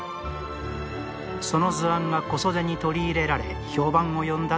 その図案が小袖に取り入れられ評判を呼んだと伝わります。